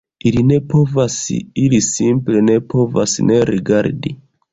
Ili ne povas, ili simple ne povas ne rigardi